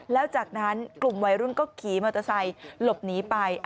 แล้วจากนั้นกลุ่มวัยรุ่นก็ขี่มอเตอร์ไซค์หลบหนีไป